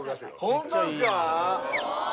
ホントですか？